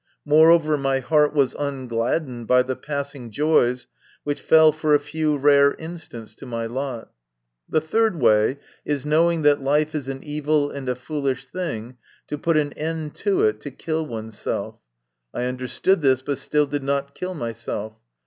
More over, my heart was ungladdened by the passing joys which fell for a few rare instants to my lot. The third way is, knowing that life is an evil and a foolish thing, to put an end to it, to kill one's self. I understood this, but still did not kill myself.